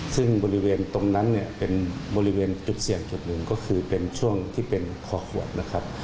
ซึ่งบริเวณตรงนั้นเนี่ยเป็นบริเวณจุดเสี่ยงจุดหนึ่งก็คือเป็นช่วงที่เป็นคอขวดนะครับ